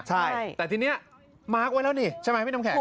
ใช่แต่ทีนี้มาร์คไว้แล้วนี่ใช่ไหมพี่น้ำแข็ง